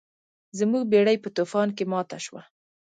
زموږ بیړۍ په طوفان کې ماته شوه.